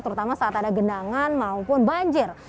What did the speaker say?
terutama saat ada genangan maupun banjir